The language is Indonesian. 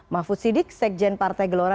mahfud sidik sekjen partai gelora